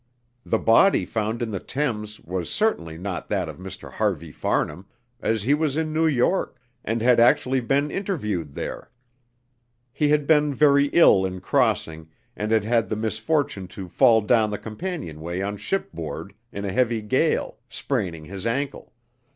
The body found in the Thames was certainly not that of Mr. Harvey Farnham, as he was in New York, and had actually been interviewed there. He had been very ill in crossing, and had had the misfortune to fall down the companionway on shipboard, in a heavy gale, spraining his ankle.